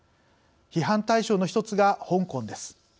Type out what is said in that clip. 批判対象の一つが香港です。